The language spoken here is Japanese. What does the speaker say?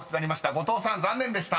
［後藤さん残念でした］